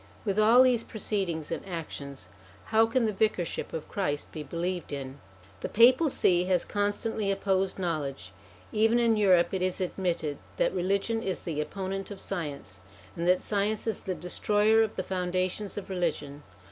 With all these proceedings and actions, how can the Vicarship of Christ be believed in ? The Papal See has constantly opposed knowledge; even in Europe it is admitted that religion is the opponent of science, and that science is the destroyer of the foundations of religion.